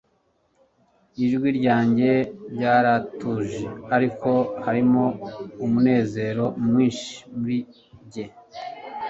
ijwi ryanjye ryaratuje ariko harimo umunezero mwinshi muri njye